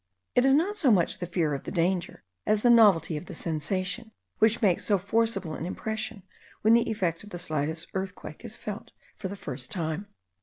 It is not so much the fear of the danger, as the novelty of the sensation, which makes so forcible an impression when the effect of the slightest earthquake is felt for the first time.